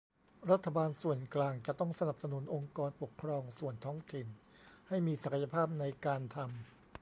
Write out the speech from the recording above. รัฐบาลส่วนกลางจะต้องสนับสนุนองค์กรปกครองส่วนท้องถิ่น ให้มีศักยภาพในการทำ